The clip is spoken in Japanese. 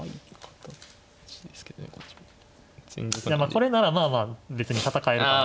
これならまあまあ別に戦えるかなと。